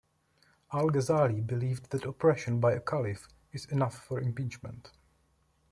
Al-Ghazali believed that oppression by a caliph is enough for impeachment.